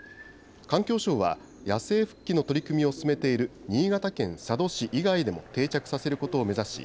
環境省は野生復帰の取り組みを進めている新潟県佐渡市以外でも定着させることを目指し